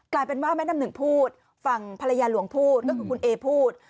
กลายเป็นว่าแม่น้ำหนึ่งพูดฝั่งภรรยาหลวงพูดก็คือคุณเอพูด